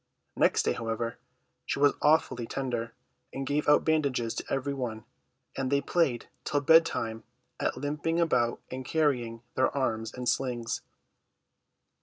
Next day, however, she was awfully tender, and gave out bandages to every one, and they played till bed time at limping about and carrying their arms in slings.